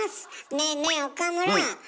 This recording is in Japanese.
ねえねえ岡村。